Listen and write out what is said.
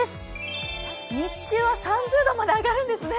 日中は３０度まで上がるんですね。